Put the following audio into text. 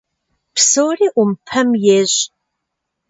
Псори Ӏумпэм ещӏ.